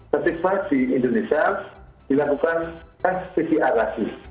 ketika di indonesia dilakukan tes pcr lagi